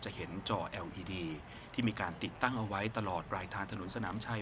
จะเห็นจอเอลอีดีที่มีการติดตั้งเอาไว้ตลอดปลายทางถนนสนามชัย